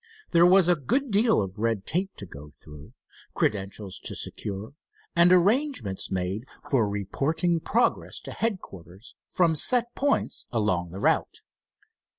There was a good deal of red tape to go through, credentials to secure, and arrangements made for reporting progress to headquarters from set points along the route.